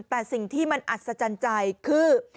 แต่สิ่งที่มันอัศจรรย์ใจคือ